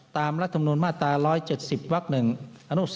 ตามรัฐมนูลมาตร๑๗๐วัก๑อนุ๔